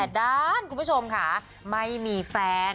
ด้านคุณผู้ชมค่ะไม่มีแฟน